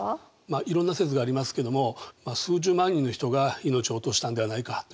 いろんな説がありますけども数十万人の人が命を落としたのではないかというふうに考えられています。